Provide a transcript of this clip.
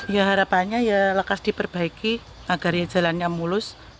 ya harapannya ya lekas diperbaiki agar jalannya mulus